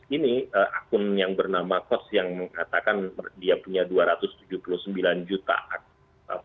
ini akun yang bernama kos yang mengatakan dia punya dua ratus tujuh puluh sembilan juta akun